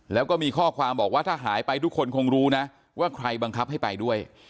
แล้วก็มีข้อความบอกว่าถ้าหายไปทุกคนคงรู้นะว่าใครบังคับให้ไปด้วย